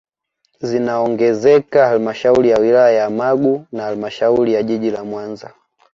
Zinaongezeka halmashauri ya wilaya ya Magu na halmashauri ya jiji la Mwanza